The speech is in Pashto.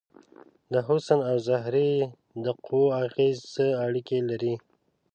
د حسن او زهرې د قوو اغیزې څه اړیکې لري؟